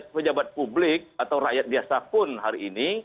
pejabat publik atau rakyat biasa pun hari ini